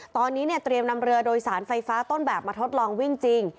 ตอนนี้เนี่ยเตรียมนำเรือโดยสารไฟฟ้าต้นแบบมาทดลองวิ่งจริง